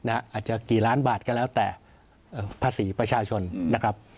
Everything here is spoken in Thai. อาจจะกี่ล้านบาทก็แล้วแต่ภาษีประชาชนนะครับ